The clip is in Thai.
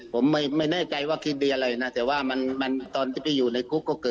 ผมไม่แน่ใจว่าคิดดีอะไรนะแต่ว่าตอนที่ไปอยู่ในกุ๊ก